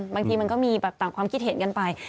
บางทีมันก็มีต่างความคิดเห็นกันไป